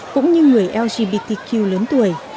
cũng như người lgbtq lớn tuổi